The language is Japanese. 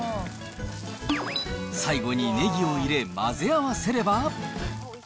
最後にねぎを入れ、混ぜ合わせれば。